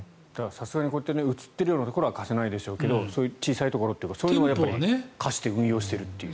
さすがにこうやって映っているようなところは貸せないでしょうけど小さいところはそういうのは貸して運用しているという。